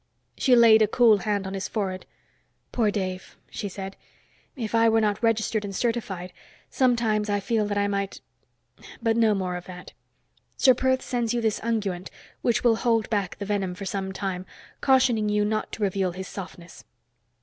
She laid a cool hand on his forehead. "Poor Dave," she said. "If I were not registered and certified, sometimes I feel that I might ... but no more of that. Ser Perth sends you this unguent which will hold back the venom for a time, cautioning you not to reveal his softness."